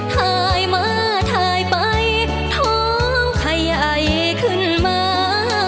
ถ่ายมาถ่ายไปท้องขยายขึ้นมา